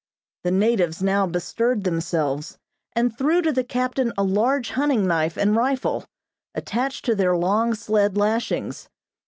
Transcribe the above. The natives now bestirred themselves and threw to the captain a large hunting knife and rifle, attached to their long sled lashings.